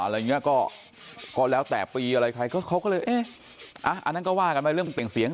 อะไรอย่างนี้ก็แล้วแต่ปีอะไรใครก็เขาก็เลยเอ๊ะอ่ะอันนั้นก็ว่ากันไปเรื่องเปล่งเสียง